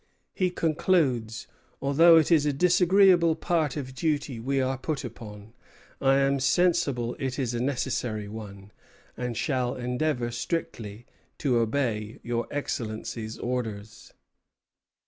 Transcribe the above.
He concludes: "Although it is a disagreeable part of duty we are put upon, I am sensible it is a necessary one, and shall endeavor strictly to obey your Excellency's orders."